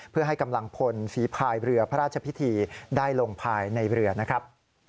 เพื่อให้กำลังพลฝีภายเรือพระราชพิธีได้ลงภายในเรือนะครับ